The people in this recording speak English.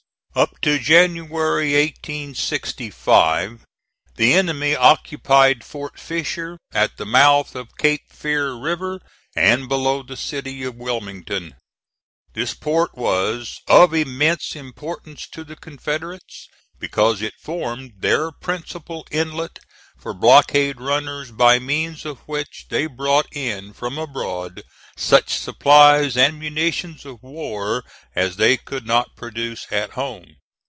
Up to January, 1865, the enemy occupied Fort Fisher, at the mouth of Cape Fear River and below the City of Wilmington. This port was of immense importance to the Confederates, because it formed their principal inlet for blockade runners by means of which they brought in from abroad such supplies and munitions of war as they could not produce at home.